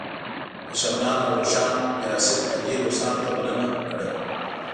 د شغنان او روشان میر آصف علي روسانو ته بلنه ورکړې وه.